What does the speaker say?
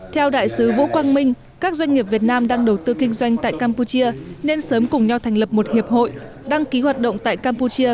theo đại sứ vũ quang minh các doanh nghiệp việt nam đang đầu tư kinh doanh tại campuchia nên sớm cùng nhau thành lập một hiệp hội đăng ký hoạt động tại campuchia